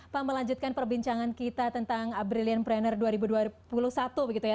pak melanjutkan perbincangan kita tentang brilliant pranner dua ribu dua puluh satu begitu ya